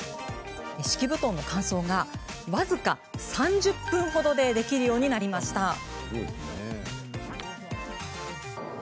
敷布団の乾燥が僅か３０分ほどでできるようになりました。